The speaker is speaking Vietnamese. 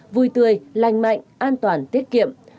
vui tươi lành mạnh an toàn tiết kiệm